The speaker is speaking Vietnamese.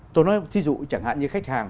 tôi nói thí dụ chẳng hạn như khách hàng